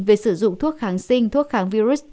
về sử dụng thuốc kháng sinh thuốc kháng virus